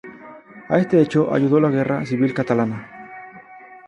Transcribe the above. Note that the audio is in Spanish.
A este hecho ayudó la guerra civil catalana.